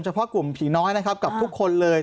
เพาะกลุ่มผีน้อยนะครับกับทุกคนเลย